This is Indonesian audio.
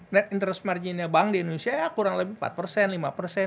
net interest marginnya bank di indonesia ya kurang lebih empat lima